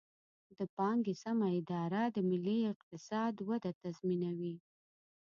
د پانګې سمه اداره د ملي اقتصاد وده تضمینوي.